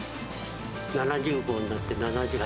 ７５になって、７８。